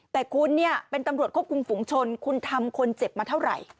แต่คุณเนี่ยเป็นตำรวจควบคุมฝุงชนคุณทำคนเจ็บมาเท่าไหร่